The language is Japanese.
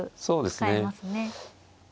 そうですね。